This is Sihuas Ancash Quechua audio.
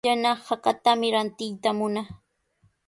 Yana hakatami rantiyta munaa.